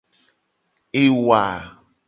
Ewa.